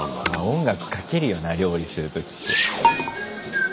音楽かけるよな料理する時って。